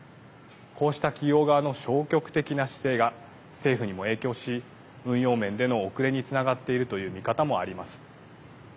こうした企業側の消極的な姿勢が政府にも影響し運用面での遅れにつながっているという見方もあります。